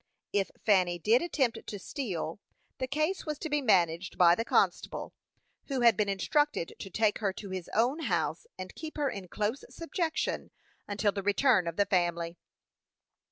If Fanny did attempt to steal, the case was to be managed by the constable, who had been instructed to take her to his own house, and keep her in close subjection until the return of the family.